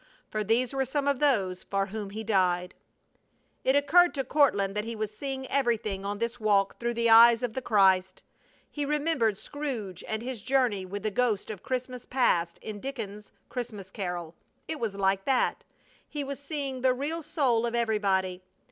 For these were some of those for whom He died! It occurred to Courtland that he was seeing everything on this walk through the eyes of the Christ. He remembered Scrooge and his journey with the Ghost of Christmas Past in Dickens's Christmas Carol. It was like that. He was seeing the real soul of everybody!